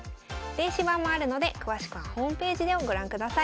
電子版もあるので詳しくはホームページでご覧ください。